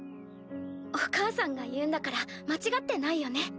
お母さんが言うんだから間違ってないよね。